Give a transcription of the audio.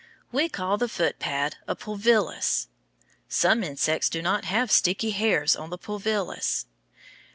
We call the foot pad a pulvillus. Some insects do not have sticky hairs on the pulvillus.